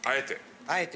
あえて。